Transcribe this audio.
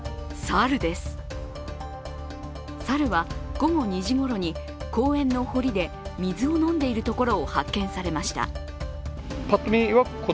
猿は午後２時ごろに公園の堀で水を飲んでいるところを発見されました。